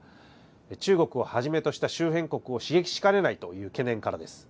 中国をはじめとした周辺国を刺激しかねないという懸念からです。